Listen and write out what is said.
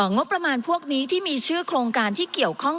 งบประมาณพวกนี้ที่มีชื่อโครงการที่เกี่ยวข้อง